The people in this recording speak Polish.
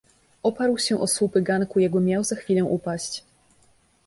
"Oparł się o słupy ganku, jakby miał za chwilę upaść."